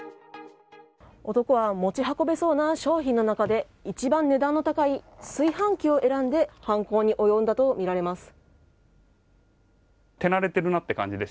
男は持ち運べそうな商品の中で一番値段の高い炊飯器を選んで犯行に及んだとみられます。